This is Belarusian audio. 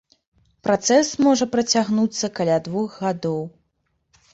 Працэс можа працягнуцца каля двух гадоў.